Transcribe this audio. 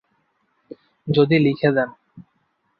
যদি লিখে দেন।